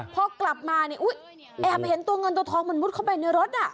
พอกลับมาเนี่ยอุ๊ยแอบเห็นตัวเงินตัวทองมันมุดเข้าไปในรถ